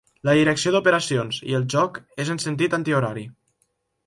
La direcció d'operacions i el joc és en sentit antihorari.